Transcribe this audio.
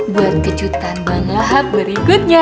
buat kejutan bang lahap berikutnya